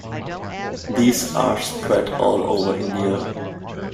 These are spread all over India.